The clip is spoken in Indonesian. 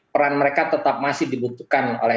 peran mereka tetap masih dibutuhkan oleh